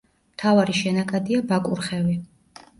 მთავარი შენაკადია ბაკურხევი.